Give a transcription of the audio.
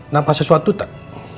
nampak sesuatu tak